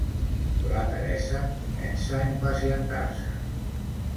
La Teresa comença a impacientar-se.